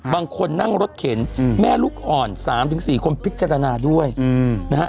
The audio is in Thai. บางคนนั่งรถเข็นแม่ลูกอ่อน๓๔คนพิจารณาด้วยนะฮะ